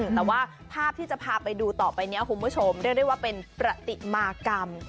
แต่ว่าภาพที่จะพาไปดูต่อไปนี้คุณผู้ชมเรียกได้ว่าเป็นประติมากรรม